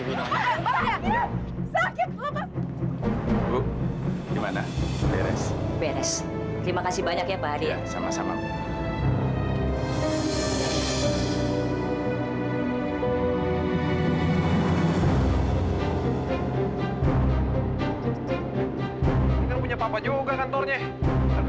terima kasih banyak ya pak adi